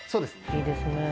いいですね。